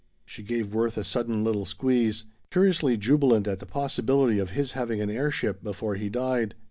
She gave Worth a sudden little squeeze, curiously jubilant at the possibility of his having an air ship before he died.